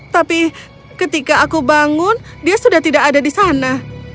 tapi ketika aku bangun dia sudah tidak ada di sana